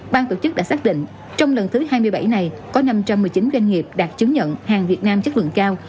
ban tổ chức đã xác định trong lần thứ hai mươi bảy này có năm trăm một mươi chín doanh nghiệp đạt chứng nhận hàng việt nam chất lượng cao